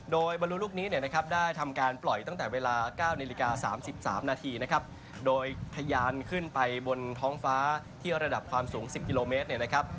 โดยบรรลุลูกนี้เนี่ยนะครับได้ทำการปล่อยตั้งแต่เวลา๙นาฬิกา๓๓นาทีนะครับโดยทะยานขึ้นไปบนท้องฟ้าที่ระดับความสูง๑๐กิโลเมตรเนี่ยนะครับ